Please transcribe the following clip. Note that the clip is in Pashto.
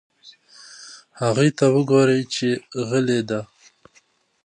هغې ته وگوره چې غلې ده.